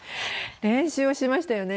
練習をしましたよね。